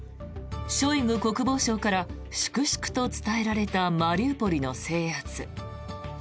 ショイグ国防相から粛々と伝えられたマリウポリの制圧。